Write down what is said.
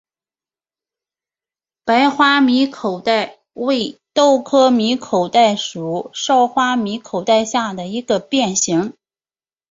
白花米口袋为豆科米口袋属少花米口袋下的一个变型。